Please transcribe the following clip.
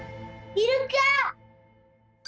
イルカ！